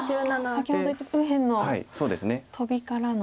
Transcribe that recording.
先ほど右辺のトビからの。